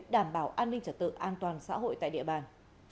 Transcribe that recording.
đảm bảo an ninh trật tự an toàn xã hội tại địa bàn